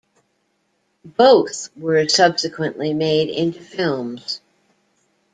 Both were subsequently made into films.